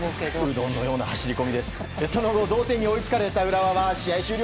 その後、同点に追いつかれた浦和は試合終了